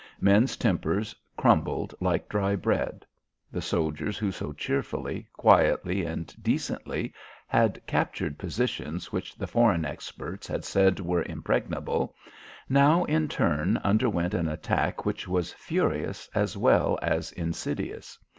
Men's tempers crumbled like dry bread. The soldiers who so cheerfully, quietly and decently had captured positions which the foreign experts had said were impregnable, now in turn underwent an attack which was furious as well as insidious.